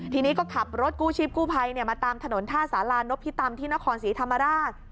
ทีนี้ก็ขับรถกู้ชีพกู้ภัยมาตามถนนท่าสารานพิตำที่นครศรีธรรมราช